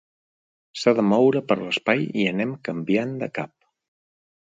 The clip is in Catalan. S'ha de moure per l'espai i anem canviant de cap.